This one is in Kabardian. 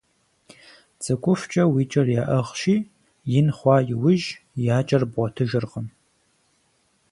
Цӏыкӏухукӏэ уи кӏэр яӏыгъщи, ин хъуа иужь я кӏэр бгъуэтыжыркъым.